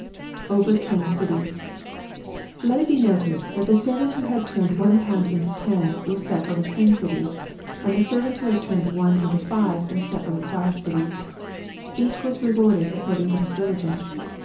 LUKK, CHAP. XIX, 805 [Over Ui cities.'] Let it be noted, that the servant who had turned i;ne pound into ten, was set over ten cities, and the servant who had turned one into five, was set over five cities. Each was rewarded according to his diligence.